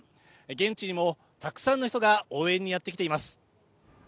現地にもたくさんの人が応援にやってきています。